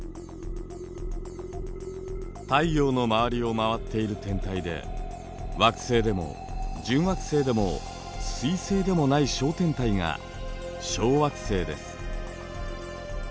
太陽の周りを回っている天体で惑星でも準惑星でも彗星でもない小天体が小惑星です。